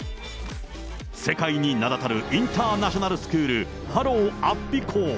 世界に名だたるインターナショナルスクール、ハロウ安比校。